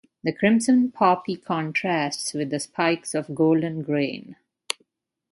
The crimson poppy contrasts with the spikes of golden grain.